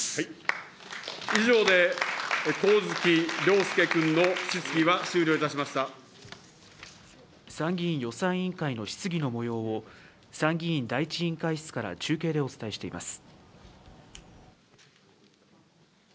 以上で、上月良祐君の質疑は参議院予算委員会の質疑のもようを、参議院第１委員会室から中継でお伝えしています。